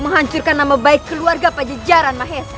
menghancurkan nama baik keluarga pajajaran mahes